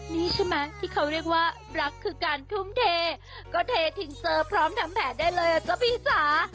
นี่ใช่ไหมที่เขาเรียกว่ารักคือการทุ่มเทก็เททิ้งเซอร์พร้อมทำแผลได้เลยอ่ะจ๊ะพี่จ๋า